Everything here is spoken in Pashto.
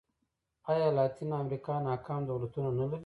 ایا لاتینه امریکا ناکام دولتونه نه لري.